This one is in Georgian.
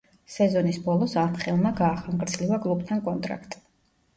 სეზონის ბოლოს, ანხელმა გაახანგრძლივა კლუბთან კონტრაქტი.